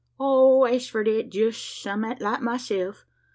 "Oh, as for that, jest some'at like myself.